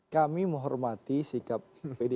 kami menghormati sikap pancasila